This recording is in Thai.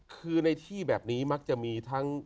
คือในที่แบบนี้มักจะมีทั้ง